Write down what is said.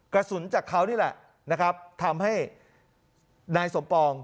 กระสุนจากเขานี่แหละนะครับทำให้นายสมปอง